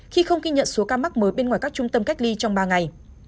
khi không ghi nhận số ca mắc mới bên ngoài các trung tâm cách ly trong ba ngày